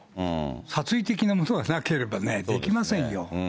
殺意的なものがなければ、できませんよ。